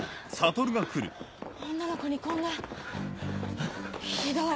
女の子にこんなひどい！